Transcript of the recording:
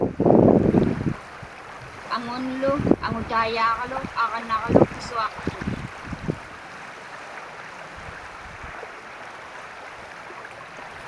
Aŋunlu aŋutaiyaaġlu aġnaġlu pisuaqtut.